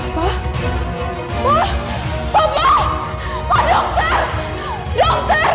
papa papa pak dokter dokter suster